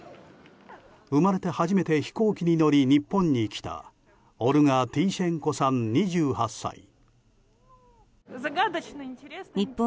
生まれて初めて飛行機に乗り日本に来たオルガ・ティーシェンコさん２８歳。